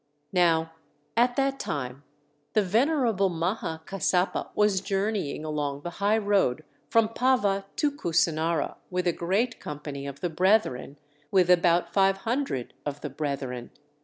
Now at that time the venerable Maha Kassapa was journeying along the high road from Pava to Kusinara with a great company of the brethren, with about five hundred of the brethren.